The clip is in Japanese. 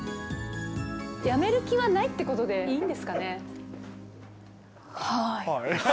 やめる気はないってことでいいんはい。